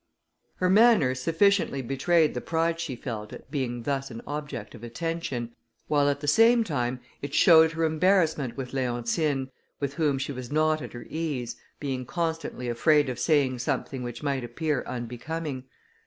Her manner sufficiently betrayed the pride she felt, at being thus an object of attention, while at the same time it showed her embarrassment with Leontine, with whom she was not at her ease, being constantly afraid of saying something which might appear unbecoming.